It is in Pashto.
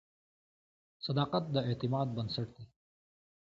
• صداقت د اعتماد بنسټ دی.